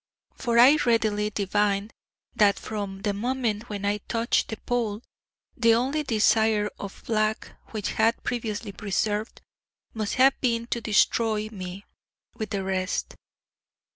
For I readily divine that from the moment when I touched the Pole, the only desire of the Black, which had previously preserved, must have been to destroy me, with the rest.